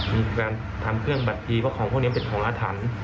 มีการทำเครื่องบัตรดีเพราะของพวกนี้เป็นของอาถรรพ์